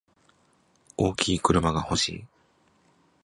大きい車が欲しい。